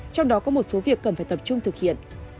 trong đó có một số việc cần phải tập trung thực hiện